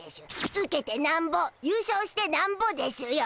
ウケてなんぼ優勝してなんぼでしゅよ。